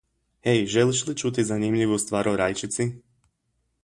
Hej, želiš li čuti zanimljivu stvar o rajčici?